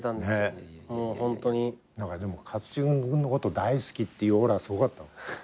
勝地君のこと大好きっていうオーラがすごかった。